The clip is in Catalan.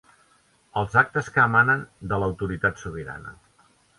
Els actes que emanen de l'autoritat sobirana.